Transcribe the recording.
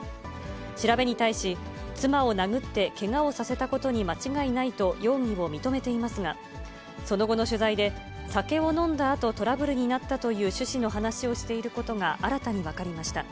調べに対し、妻を殴ってけがをさせたことに間違いないと容疑を認めていますが、その後の取材で、酒を飲んだあと、トラブルになったという趣旨の話をしていることが、新たに分かりました。